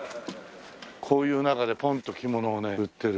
こういう中でポンと着物をね売ってる。